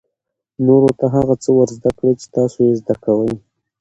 نورو ته هغه څه ور زده کړئ چې تاسو یې زده کوئ.